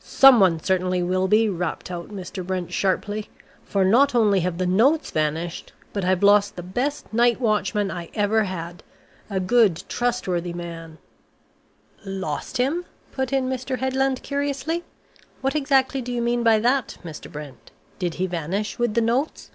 "Someone certainly will be," rapped out Mr. Brent sharply. "For not only have the notes vanished, but I've lost the best night watchman I ever had, a good, trustworthy man " "Lost him?" put in Mr. Headland curiously. "What exactly do you mean by that, Mr. Brent? Did he vanish with the notes?"